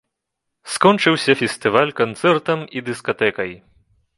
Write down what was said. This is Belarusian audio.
Скончыўся фестываль канцэртам і дыскатэкай.